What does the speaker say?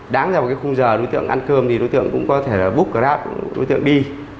đáng ra một cái khung giờ đối tượng ăn cơm thì đối tượng cũng có thể là book grab đối tượng đi